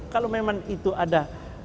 kalau memang itu ada